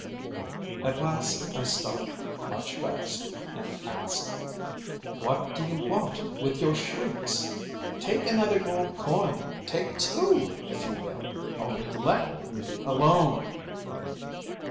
"At last I stopped, much vexed, and asked, 'What do you want, with your shrieks? Take another gold coin; take two if you will, only let me alone.'